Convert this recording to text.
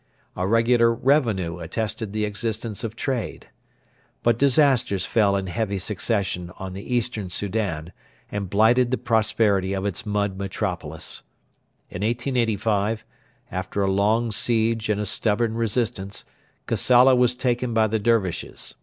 A regular revenue attested the existence of trade. But disasters fell in heavy succession on the Eastern Soudan and blighted the prosperity of its mud metropolis. In 1885, after a long siege and a stubborn resistance, Kassala was taken by the Dervishes.